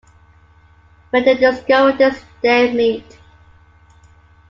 When they discover this they meet.